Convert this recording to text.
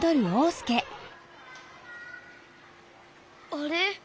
あれ？